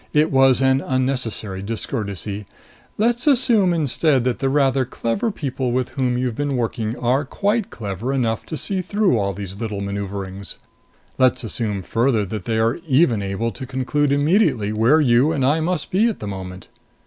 It was an unnecessary discourtesy. Let's assume instead that the rather clever people with whom you've been working are quite clever enough to see through all these little maneuverings. Let's assume further that they are even able to conclude immediately where you and I must be at the moment.